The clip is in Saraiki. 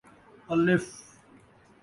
ا